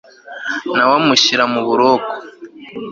na we amushyira mu buroko